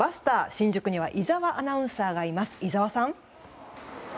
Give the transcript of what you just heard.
新宿には井澤アナウンサーがいます。